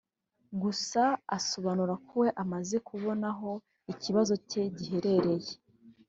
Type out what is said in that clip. gusa asobanura ko we amaze kubona aho ikibazo cye giherereye